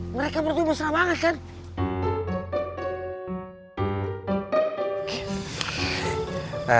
mereka berdua senang banget kan